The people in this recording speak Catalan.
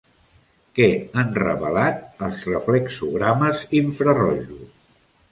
Què han revelat els reflexogrames infrarojos?